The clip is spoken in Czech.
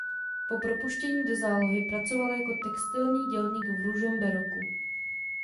Po propuštění do zálohy pracoval jako textilní dělník v Ružomberoku.